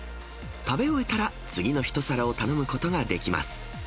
食べ終えたら、次の１皿を頼むことができます。